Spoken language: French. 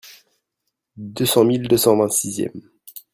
Deux cent mille deux cent vingt-sixième.